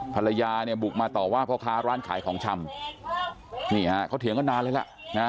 ภรรยาเนี่ยบุกมาต่อว่าพ่อค้าร้านขายของชำนี่ฮะเขาเถียงกันนานเลยล่ะนะ